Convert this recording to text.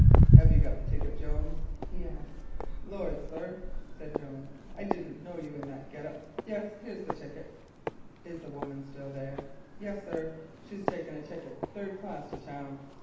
"Have you got the ticket, Jones?" he asked. "Lord, sir," said Jones, "I didn't know you in that get up. Yes, here it is." "Is the woman there still?" "Yes, sir; she's taken a ticket, third class, to town.